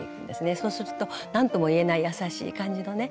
そうすると何ともいえない優しい感じのね